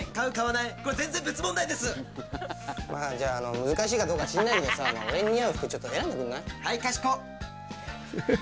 まあじゃああの難しいかどうか知んないけどさ俺に似合う服ちょっと選んでくんない？